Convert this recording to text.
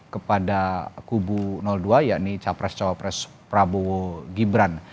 kepada kubu dua yakni capres cawapres prabowo gibran